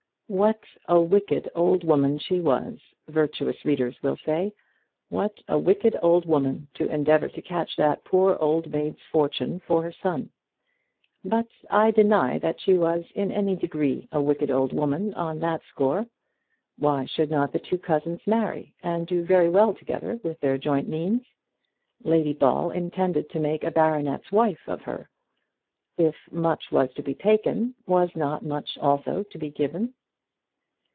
"What a wicked old woman she was!" virtuous readers will say; "what a wicked old woman to endeavour to catch that poor old maid's fortune for her son!" But I deny that she was in any degree a wicked old woman on that score. Why should not the two cousins marry, and do very well together with their joint means? Lady Ball intended to make a baronet's wife of her. If much was to be taken, was not much also to be given?